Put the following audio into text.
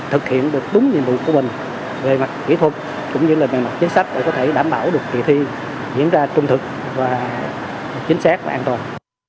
thực hiện được đúng nhiệm vụ của mình về mặt kỹ thuật cũng như là về mặt chính sách để có thể đảm bảo được kỳ thi diễn ra trung thực và chính xác và an toàn